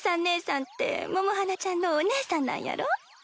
ねえさんって百はなちゃんのおねえさんなんやろ？